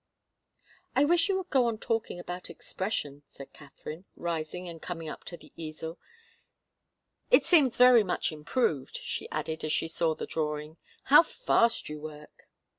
"I wish you would go on talking about expression," said Katharine, rising and coming up to the easel. "It seems very much improved," she added as she saw the drawing. "How fast you work!"